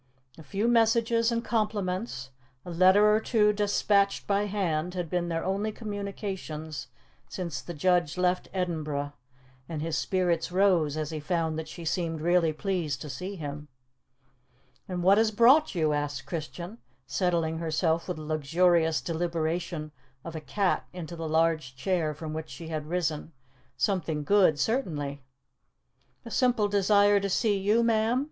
A few messages and compliments, a letter or two despatched by hand, had been their only communications since the judge left Edinburgh, and his spirits rose as he found that she seemed really pleased to see him. "And what has brought you?" asked Christian, settling herself with the luxurious deliberation of a cat into the large chair from which she had risen. "Something good, certainly." "The simple desire to see you, ma'am.